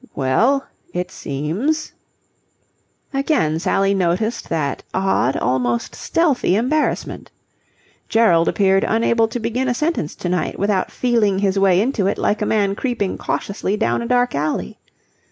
"Well, it seems..." Again Sally noticed that odd, almost stealthy embarrassment. Gerald appeared unable to begin a sentence to night without feeling his way into it like a man creeping cautiously down a dark alley.